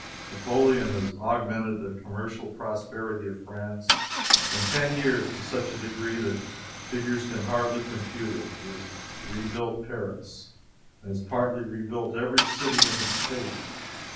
Napoleon has augmented the commercial prosperity of France in ten years to such a degree that figures can hardly compute it. He has rebuilt Paris and has partly rebuilt every city in the state.